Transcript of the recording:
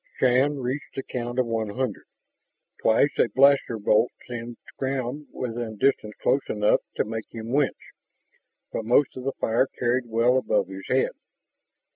Shann reached the count of one hundred. Twice a blaster bolt singed ground within distance close enough to make him wince, but most of the fire carried well above his head.